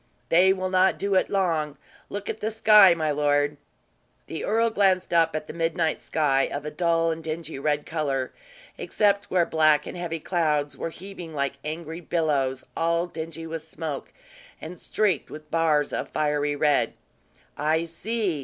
"They will not do it long. Look at the sky, my lord." The earl glanced up at the midnight sky, of a dull and dingy red color, except where black and heavy clouds were heaving like angry billows, all dingy with smoke and streaked with bars of fiery red. "I see!